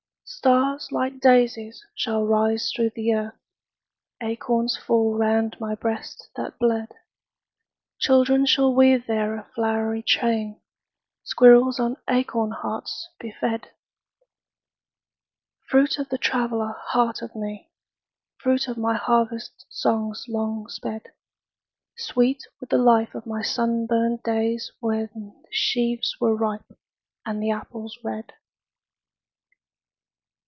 Stars, like daisies, shall rise through the earth, Acorns fall round my breast that bled. Children shall weave there a flowery chain, Squirrels on acorn hearts be fed:— Fruit of the traveller heart of me, Fruit of my harvest songs long sped: Sweet with the life of my sunburned days When the sheaves were ripe, and the apples red.